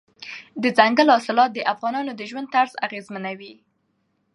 دځنګل حاصلات د افغانانو د ژوند طرز اغېزمنوي.